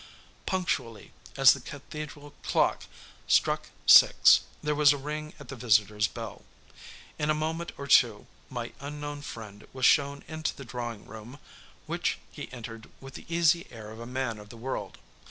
Punctually as the cathedral clock struck six there was a ring at the visitor's bell. In a moment or two my unknown friend was shown into the drawing room, which he entered with the easy air of a man of the world.